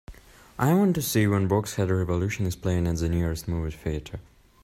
I want to see when Box Head Revolution is playing at the nearest movie theatre